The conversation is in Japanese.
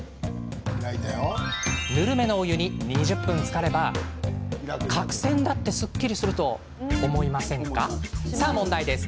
ぬるめのお湯に２０分つかれば角栓だってすっきりすると思うんですが。